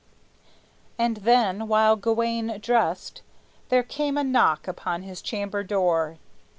And then, while Gawayne dressed, there came a knock Upon his chamber door.